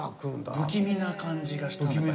不気味な感じがしたんだ